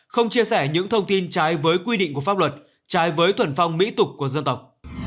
không chia sẻ những thông tin trái với quy định của pháp luật trái với thuần phong mỹ tục của dân tộc